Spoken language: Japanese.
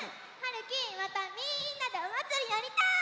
るきまたみんなでおまつりやりたい！